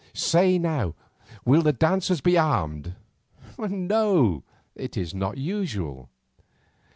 Say now, will the dancers be armed?" "No, it is not usual."